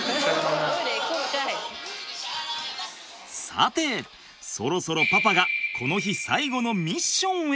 さてそろそろパパがこの日最後のミッションへ！